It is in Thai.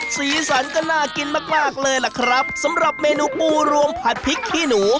สีสันก็น่ากินมากมากเลยล่ะครับสำหรับเมนูปูรวมผัดพริกขี้หนู